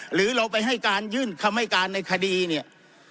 หรือเราไปให้การยื่นคำให้การในคดีเนี่ย